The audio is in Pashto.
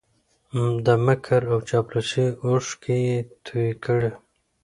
د مکر او چاپلوسۍ اوښکې یې توی کړې